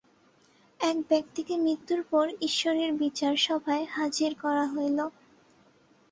এক ব্যক্তিকে মৃত্যুর পর ঈশ্বরের বিচার-সভায় হাজির করা হইল।